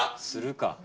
するか。